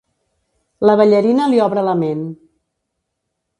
La ballarina li obre la ment.